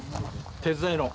手伝いの。